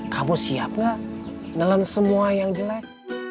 kamu siap gak nelan semua yang jelek